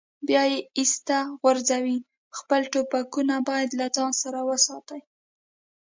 بیا یې ایسته غورځوي، خپل ټوپکونه باید له ځان سره وساتي.